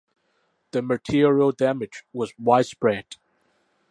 The material damage was widespread.